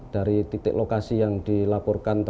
dari titik lokasi yang dilaporkan